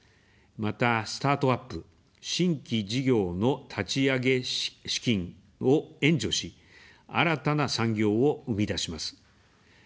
また、スタートアップ、新規事業の立ち上げ資金を援助し、新たな産業を生み出します。